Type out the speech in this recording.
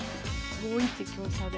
５一香車で。